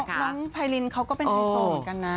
น้องไพรินเขาก็เป็นไฮโซเหมือนกันนะ